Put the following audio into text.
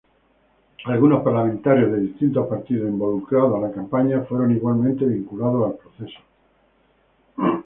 Algunos parlamentarios de distintos partidos involucrados a la campaña fueron igualmente vinculados al proceso.